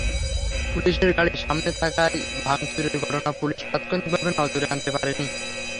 পুলিশের গাড়ি সামনে থাকায় ভাঙচুরের ঘটনা পুলিশ তাৎক্ষণিকভাবে নজরে আনতে পারেনি।